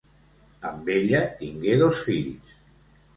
Amb ella tingué dos fills: